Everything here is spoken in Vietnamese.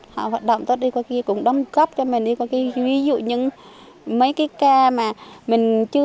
họ hoạt động tốt đi qua kia cũng đóng cấp cho mình đi qua kia ví dụ những mấy cái ca mà mình chưa